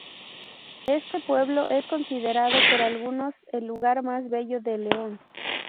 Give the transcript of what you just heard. Este pueblo es considerado por algunos el lugar más bello de León.